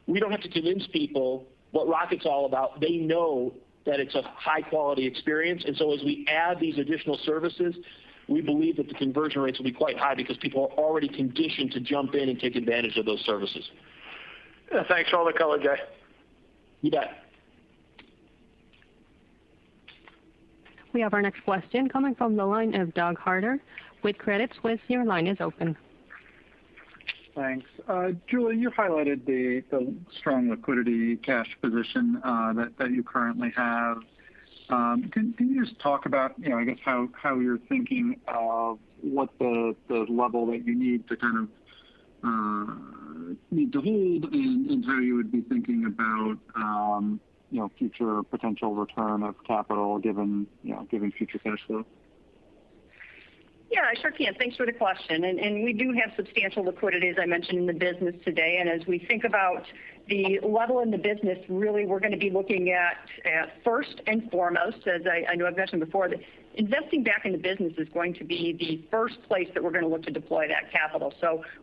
We don't have to convince people what Rocket's all about. They know that it's a high-quality experience. As we add these additional services, we believe that the conversion rates will be quite high because people are already conditioned to jump in and take advantage of those services. Yeah. Thanks for all the color, Jay. You bet. We have our next question coming from the line of Doug Harter with Credit Suisse. Your line is open. Thanks. Julie, you highlighted the strong liquidity cash position that you currently have. Can you just talk about how you're thinking of what the level that you need to hold and how you would be thinking about future potential return of capital given future cash flow? Yeah, I sure can. Thanks for the question. We do have substantial liquidity, as I mentioned, in the business today. As we think about the level in the business, really, we're going to be looking at first and foremost, as I know I've mentioned before, that investing back in the business is going to be the first place that we're going to look to deploy that capital.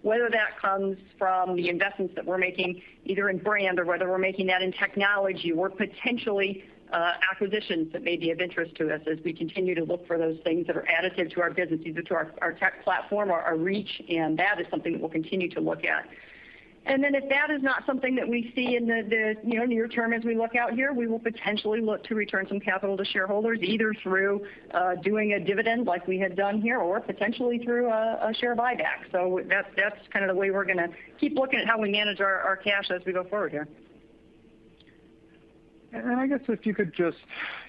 Whether that comes from the investments that we're making, either in brand or whether we're making that in technology or potentially acquisitions that may be of interest to us as we continue to look for those things that are additive to our business, either to our tech platform or our reach. That is something that we'll continue to look at. If that is not something that we see in the near term as we look out here, we will potentially look to return some capital to shareholders, either through doing a dividend like we had done here or potentially through a share buyback. That's the way we're going to keep looking at how we manage our cash as we go forward here. I guess if you could just,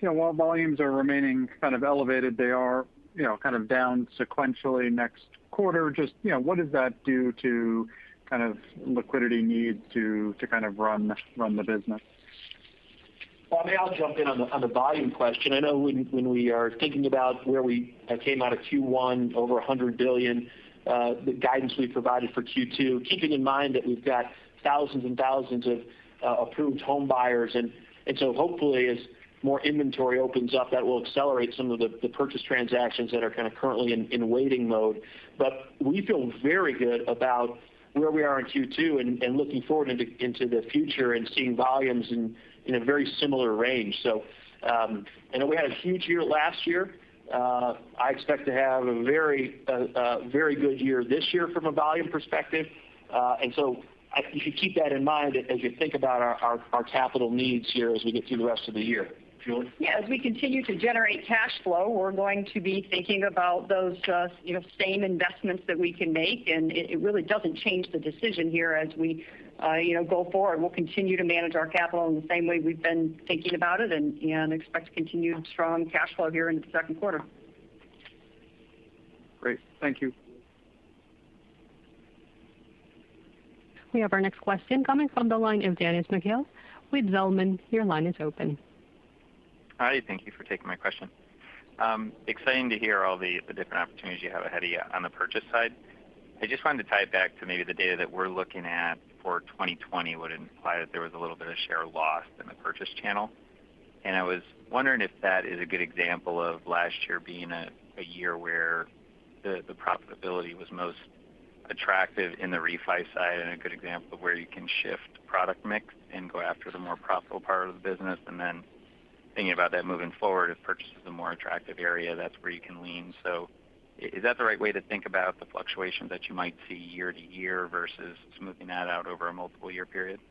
while volumes are remaining kind of elevated, they are down sequentially next quarter. Just what does that do to liquidity needs to run the business? Maybe I'll jump in on the volume question. I know when we are thinking about where we came out of Q1, over $100 billion, the guidance we provided for Q2, keeping in mind that we've got thousands and thousands of approved home buyers. Hopefully as more inventory opens up, that will accelerate some of the purchase transactions that are kind of currently in waiting mode. We feel very good about where we are in Q2 and looking forward into the future and seeing volumes in a very similar range. I know we had a huge year last year. I expect to have a very good year this year from a volume perspective. If you keep that in mind as you think about our capital needs here as we get through the rest of the year. Julie? Yeah. As we continue to generate cash flow, we're going to be thinking about those same investments that we can make, and it really doesn't change the decision here as we go forward. We'll continue to manage our capital in the same way we've been thinking about it and expect continued strong cash flow here in the second quarter. Great. Thank you. We have our next question coming from the line of Dennis McGill with Zelman. Your line is open. Hi, thank you for taking my question. Exciting to hear all the different opportunities you have ahead of you on the purchase side. I just wanted to tie it back to maybe the data that we're looking at for 2020 would imply that there was a little bit of share lost in the purchase channel. I was wondering if that is a good example of last year being a year where the profitability was most attractive in the refi side, and a good example of where you can shift product mix and go after the more profitable part of the business. Thinking about that moving forward, if purchase is a more attractive area, that's where you can lean. Is that the right way to think about the fluctuation that you might see year to year versus smoothing that out over a multiple year period?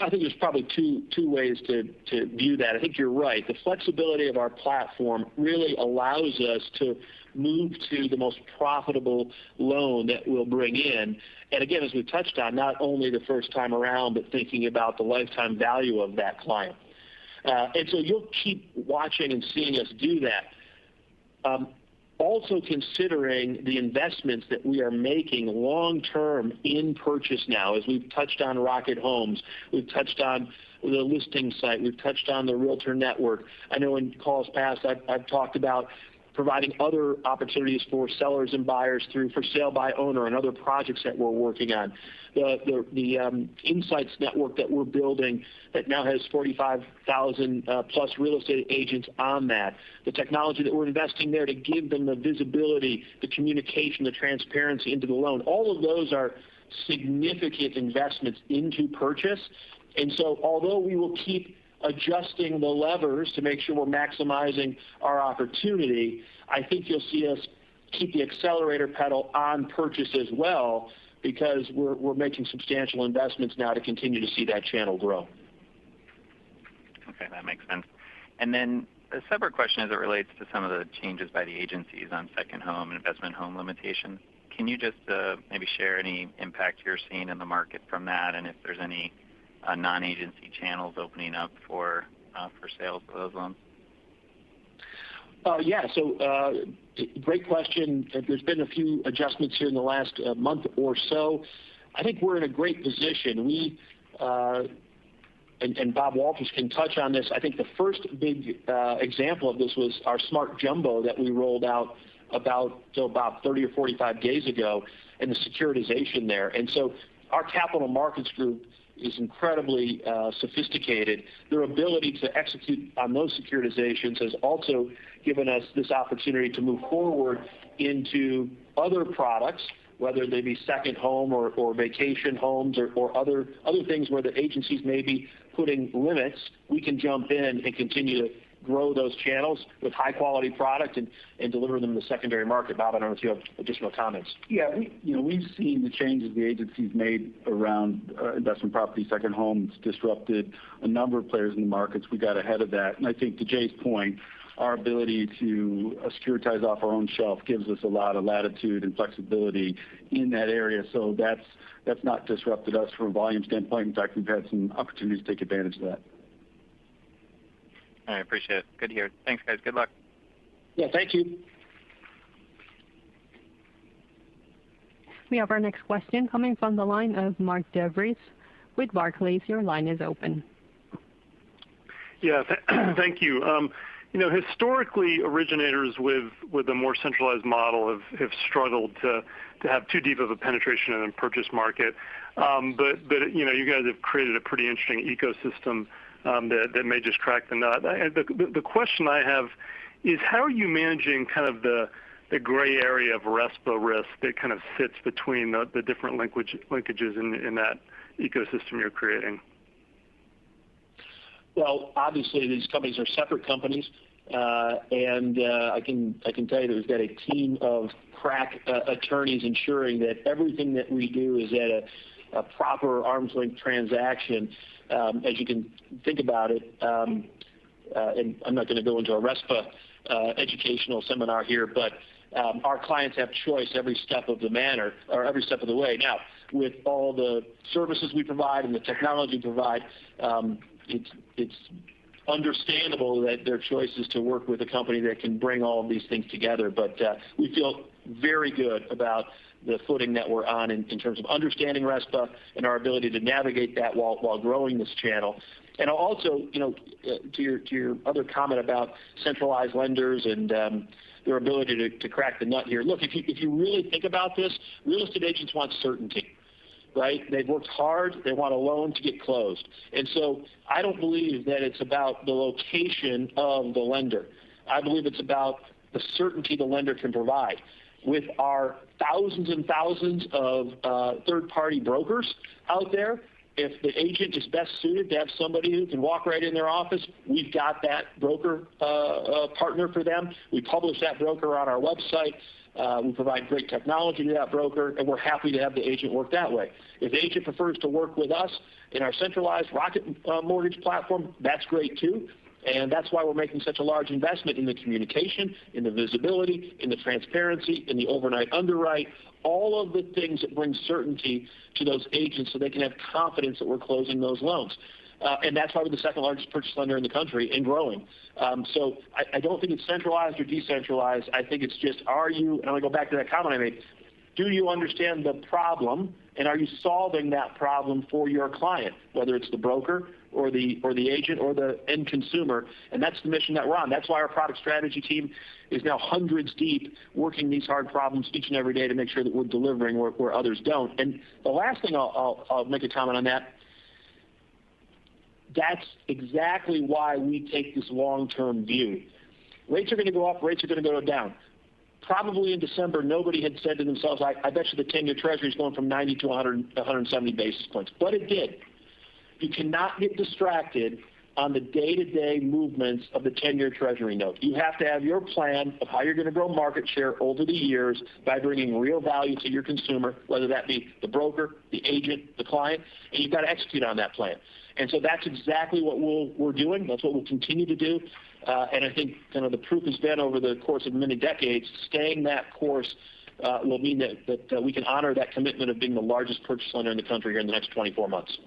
I think there's probably two ways to view that. I think you're right. The flexibility of our platform really allows us to move to the most profitable loan that we'll bring in. Again, as we've touched on, not only the first time around, but thinking about the lifetime value of that client. You'll keep watching and seeing us do that. Also considering the investments that we are making long-term in purchase now, as we've touched on Rocket Homes, we've touched on the listing site, we've touched on the Realtor network. I know in calls past I've talked about providing other opportunities for sellers and buyers through for sale by owner and other projects that we're working on. The Rocket Pro Insight network that we're building that now has 45,000+ real estate agents on that. The technology that we're investing there to give them the visibility, the communication, the transparency into the loan. All of those are significant investments into purchase. Although we will keep adjusting the levers to make sure we're maximizing our opportunity, I think you'll see us keep the accelerator pedal on purchase as well because we're making substantial investments now to continue to see that channel grow. Okay, that makes sense. A separate question as it relates to some of the changes by the agencies on second home and investment home limitations. Can you just maybe share any impact you're seeing in the market from that, and if there's any non-agency channels opening up for sale for those loans? Great question. There's been a few adjustments here in the last month or so. I think we're in a great position. We, and Bob Walters can touch on this, I think the first big example of this was our Jumbo Smart that we rolled out say, about 30 or 45 days ago, and the securitization there. Our capital markets group is incredibly sophisticated. Their ability to execute on those securitizations has also given us this opportunity to move forward into other products, whether they be second home or vacation homes or other things where the agencies may be putting limits. We can jump in and continue to grow those channels with high quality product and deliver them in the secondary market. Bob, I don't know if you have additional comments. Yeah. We've seen the changes the agencies made around investment property, second homes disrupted a number of players in the markets. We got ahead of that, and I think to Jay's point, our ability to securitize off our own shelf gives us a lot of latitude and flexibility in that area. That's not disrupted us from a volume standpoint. In fact, we've had some opportunities to take advantage of that. All right. Appreciate it. Good to hear. Thanks, guys. Good luck. Yeah, thank you. We have our next question coming from the line of Mark DeVries with Barclays. Your line is open. Yeah. Thank you. Historically, originators with a more centralized model have struggled to have too deep of a penetration in a purchase market. You guys have created a pretty interesting ecosystem that may just crack the nut. The question I have is how are you managing kind of the gray area of RESPA risk that kind of sits between the different linkages in that ecosystem you're creating? Well, obviously, these companies are separate companies. I can tell you that we've got a team of crack attorneys ensuring that everything that we do is at a proper arm's length transaction. As you can think about it, and I'm not going to go into a RESPA educational seminar here, but our clients have choice every step of the manner or every step of the way. Now, with all the services we provide and the technology we provide, it's understandable that their choice is to work with a company that can bring all of these things together. We feel very good about the footing that we're on in terms of understanding RESPA and our ability to navigate that while growing this channel. Also, to your other comment about centralized lenders and their ability to crack the nut here. Look, if you really think about this, real estate agents want certainty, right? They've worked hard. They want a loan to get closed. I don't believe that it's about the location of the lender. I believe it's about the certainty the lender can provide. With our thousands and thousands of third-party brokers out there, if the agent is best suited to have somebody who can walk right in their office, we've got that broker partner for them. We publish that broker on our website. We provide great technology to that broker, and we're happy to have the agent work that way. If the agent prefers to work with us in our centralized Rocket Mortgage platform, that's great too, and that's why we're making such a large investment in the communication, in the visibility, in the transparency, in the Overnight Underwrite, all of the things that bring certainty to those agents so they can have confidence that we're closing those loans. That's why we're the second-largest purchase lender in the country and growing. I don't think it's centralized or decentralized. I think it's just are you, and I'm going to go back to that comment I made, do you understand the problem, and are you solving that problem for your client, whether it's the broker, or the agent, or the end consumer? That's the mission that we're on. That's why our product strategy team is now hundreds deep, working these hard problems each and every day to make sure that we're delivering where others don't. The last thing I'll make a comment on that's exactly why we take this long-term view. Rates are going to go up, rates are going to go down. Probably in December, nobody had said to themselves, "I bet you the 10-year Treasury is going from 90 to 170 basis points." It did. You cannot get distracted on the day-to-day movements of the 10-year Treasury note. You have to have your plan of how you're going to grow market share over the years by bringing real value to your consumer, whether that be the broker, the agent, the client, and you've got to execute on that plan. That's exactly what we're doing. That's what we'll continue to do. I think kind of the proof has been over the course of many decades, staying that course will mean that we can honor that commitment of being the largest purchase lender in the country here in the next 24 months.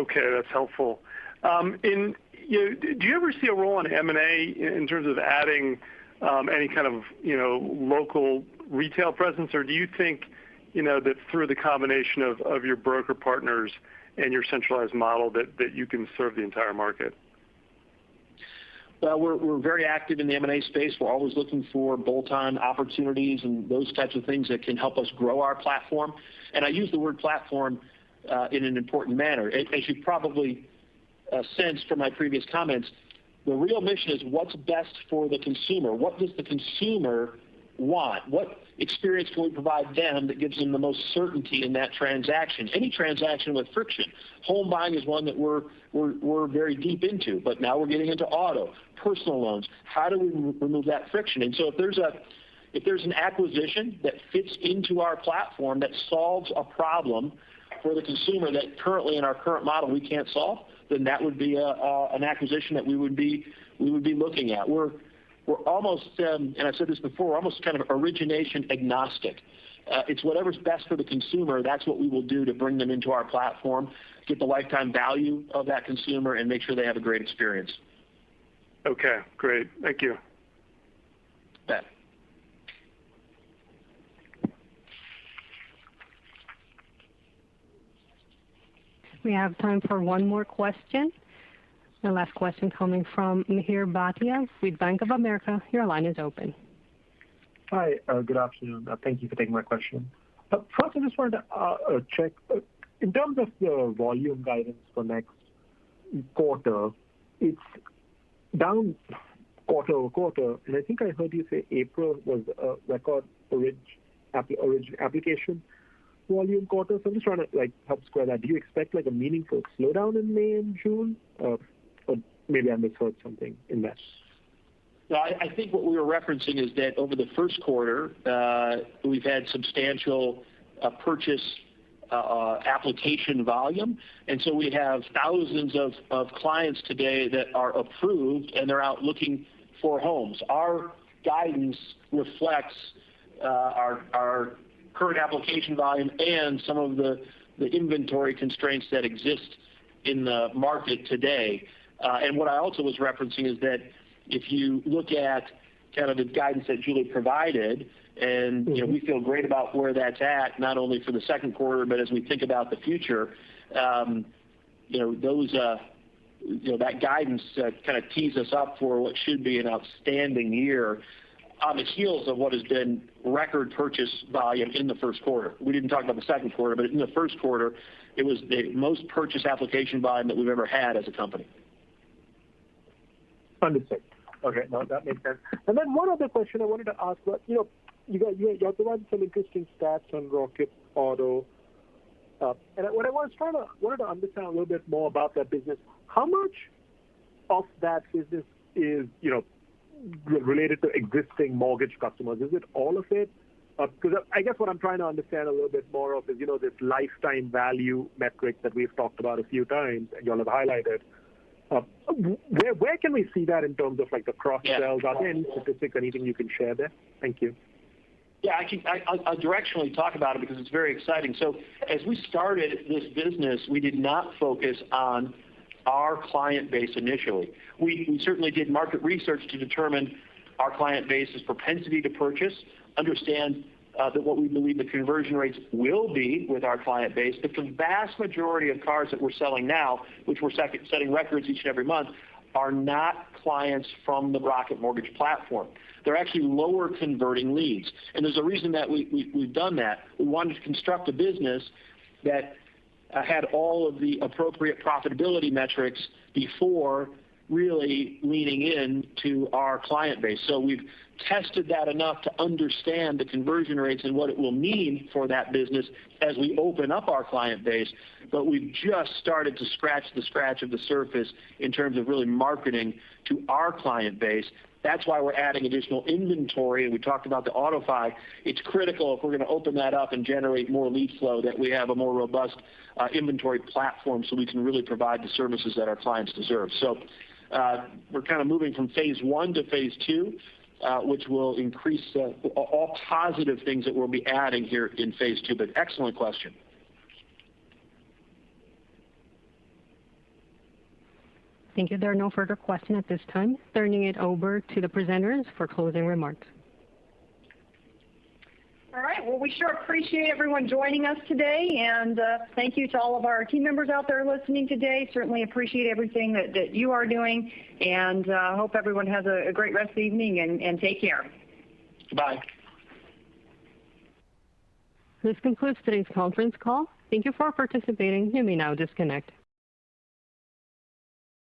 Okay, that's helpful. Do you ever see a role in M&A in terms of adding any kind of local retail presence, or do you think that through the combination of your broker partners and your centralized model that you can serve the entire market? We're very active in the M&A space. We're always looking for bolt-on opportunities and those types of things that can help us grow our platform. I use the word platform in an important manner. As you probably sensed from my previous comments, the real mission is what's best for the consumer. What does the consumer want? What experience can we provide them that gives them the most certainty in that transaction? Any transaction with friction. Home buying is one that we're very deep into, but now we're getting into auto, personal loans. How do we remove that friction? If there's an acquisition that fits into our platform that solves a problem for the consumer that currently in our current model we can't solve, then that would be an acquisition that we would be looking at. We're almost, and I've said this before, almost kind of origination agnostic. It's whatever's best for the consumer, that's what we will do to bring them into our platform, get the lifetime value of that consumer, and make sure they have a great experience. Okay, great. Thank you. You bet. We have time for one more question. The last question coming from Mihir Bhatia with Bank of America. Your line is open. Hi, good afternoon. Thank you for taking my question. I just wanted to check, in terms of the volume guidance for next quarter, it's down quarter-over-quarter, and I think I heard you say April was a record origin application volume quarter. I'm just trying to help square that. Do you expect a meaningful slowdown in May and June? Maybe I misheard something in that. No, I think what we were referencing is that over the first quarter, we've had substantial purchase application volume, and so we have thousands of clients today that are approved, and they're out looking for homes. Our guidance reflects our current application volume and some of the inventory constraints that exist in the market today. What I also was referencing is that if you look at kind of the guidance that Julie provided, and we feel great about where that's at, not only for the second quarter but as we think about the future, that guidance kind of tees us up for what should be an outstanding year on the heels of what has been record purchase volume in the first quarter. We didn't talk about the second quarter, but in the first quarter, it was the most purchase application volume that we've ever had as a company. Understood. Okay. No, that makes sense. Then one other question I wanted to ask. You guys provided some interesting stats on Rocket Auto. What I wanted to understand a little bit more about that business. How much of that business is related to existing mortgage customers? Is it all of it? I guess what I'm trying to understand a little bit more of is this lifetime value metric that we've talked about a few times, and you all have highlighted. Where can we see that in terms of the cross-sells? Yeah. Are there any specific anything you can share there? Thank you. Yeah, I'll directionally talk about it because it's very exciting. As we started this business, we did not focus on our client base initially. We certainly did market research to determine our client base's propensity to purchase, understand that what we believe the conversion rates will be with our client base. The vast majority of cars that we're selling now, which we're setting records each and every month, are not clients from the Rocket Mortgage platform. They're actually lower converting leads. There's a reason that we've done that. We wanted to construct a business that had all of the appropriate profitability metrics before really leaning into our client base. We've tested that enough to understand the conversion rates and what it will mean for that business as we open up our client base. We've just started to scratch the surface in terms of really marketing to our client base. That's why we're adding additional inventory, and we talked about the AutoFi. It's critical if we're going to open that up and generate more lead flow, that we have a more robust inventory platform so we can really provide the services that our clients deserve. We're kind of moving from phase I to phase II, which will increase all positive things that we'll be adding here in phase II. Excellent question. Thank you. There are no further questions at this time. Turning it over to the presenters for closing remarks. All right. Well, we sure appreciate everyone joining us today, and thank you to all of our team members out there listening today. We certainly appreciate everything that you are doing, and hope everyone has a great rest of the evening, and take care. Bye. This concludes today's conference call. Thank you for participating. You may now disconnect.